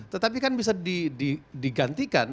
tetapi kan bisa digantikan